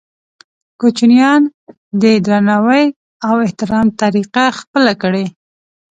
کوچنیان دې د درناوي او احترام طریقه خپله کړي.